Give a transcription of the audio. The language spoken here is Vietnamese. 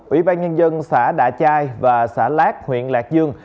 ủy ban nhân dân xã đạ chai và xã lát huyện lạc dương